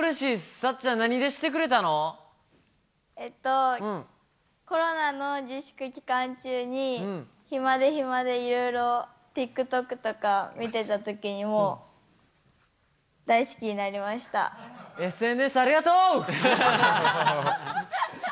さっちゃん、えっと、コロナの自粛期間中に、暇で暇で、いろいろ、ＴｉｋＴｏｋとか見てたときに、もう大好きＳＮＳ、ありがとう！